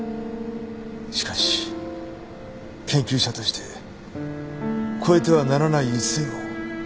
しかし研究者として越えてはならない一線を越えてしまった。